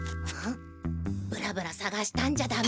ブラブラさがしたんじゃダメ！